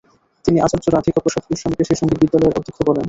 তিনি আচার্য রাধিকাপ্রসাদ গোস্বামীকে সেই সঙ্গীত বিদ্যালয়ের অধ্যক্ষ করেন।